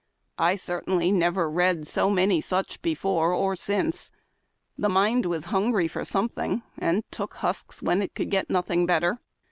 I, cer tainly, never read so many such before or since. The mind was hungry for something, and took husks when it could get nothing better.